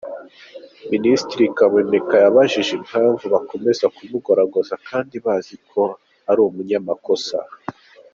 Minisitiri Kaboneka yabajije impamvu bakomeza kumugoragoza kandi bazi ko ari umunyamakosa.